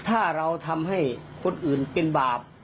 ถ้าเราทำให้คนอื่นเป็นบาป